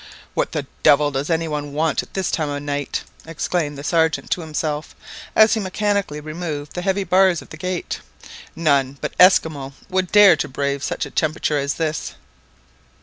"What the devil does any one want at this time of night?" exclaimed the Sergeant to himself, as he mechanically removed the heavy bars of the gate; "none but Esquimaux would dare to brave such a temperature as this!"